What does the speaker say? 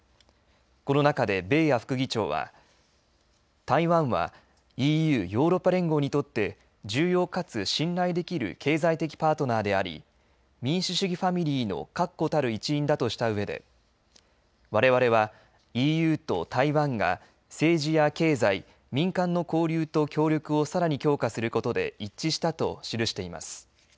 この中でベーア副議長は台湾はＥＵ＝ヨーロッパ連合にとって重要かつ信頼できる経済的パートナーであり民主主義ファミリーの確固たる一員だとしたうえでわれわれはＥＵと台湾が政治や経済民間の交流と協力をさらに強化することで一致したと記しています。